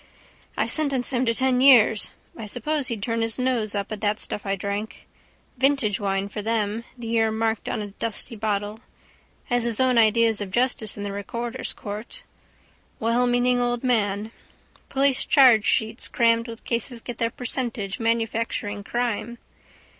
I sentenced him to ten years. I suppose he'd turn up his nose at that stuff I drank. Vintage wine for them, the year marked on a dusty bottle. Has his own ideas of justice in the recorder's court. Wellmeaning old man. Police chargesheets crammed with cases get their percentage manufacturing crime.